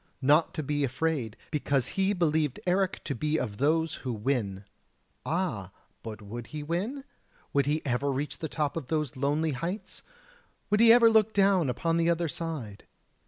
not to be afraid, because he believed Eric to be of those who win. Ah! but would he win? Would he ever reach the top of those lonely heights? would he ever look down upon the other side?